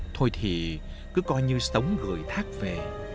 thôi thì cứ coi như sống gửi thác về